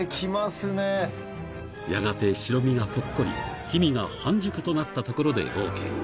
やがて白身がポッコリ黄身が半熟となったところでＯＫ